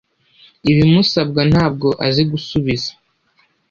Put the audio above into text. ibimusabwa ntabwo azi gusubiza